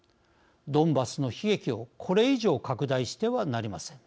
ドンバスの悲劇を、これ以上拡大してはなりません。